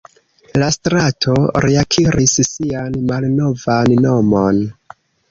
La strato reakiris sian malnovan nomon.